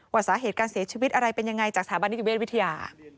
สาเหตุการเสียชีวิตอะไรเป็นยังไงจากสถาบันนิติเวชวิทยา